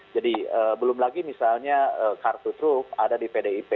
jadi belum lagi misalnya kartu truk ada di pdip